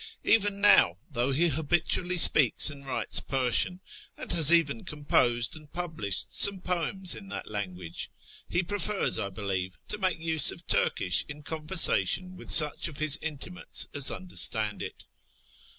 Even now, though he habitually speaks and writes Persian, and has even composed and pub lished some poems in that language, he prefers, I believe, to make use of Turkish in conversation with such of his intimates as understand it.